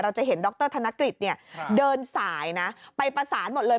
จะเห็นดรธนกฤษเนี่ยเดินสายนะไปประสานหมดเลย